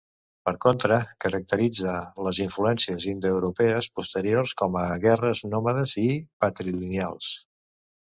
Per contra, caracteritza les influències indoeuropees posteriors com a guerres, nòmades i patrilineals.